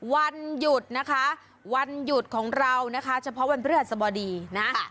วันหยุดนะคะวันหยุดของเรานะคะเฉพาะวันพฤหัสบดีนะ